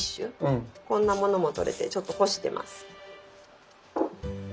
こんなものもとれてちょっと干してます。